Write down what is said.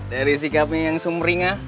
dari sikapnya yang sumringah